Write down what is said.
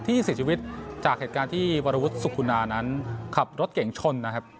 ได้ถึงที่สิทธิ์ชีวิตจากเหตุการณ์ที่วรวุทธศุกรณานั้นขับรถเก๋งชนนะครับ